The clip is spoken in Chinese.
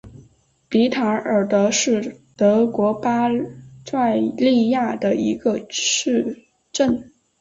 比塔尔德是德国巴伐利亚州的一个市镇。